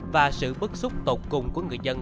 và sự bức xúc tột cùng của người dân